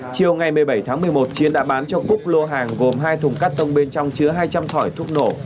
chiều ngày một mươi bảy tháng một mươi một chiến đã bán cho cúc lô hàng gồm hai thùng cắt tông bên trong chứa hai trăm linh thỏi thuốc nổ